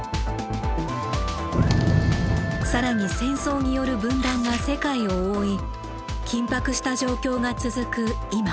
更に戦争による「分断」が世界を覆い緊迫した状況が続く今。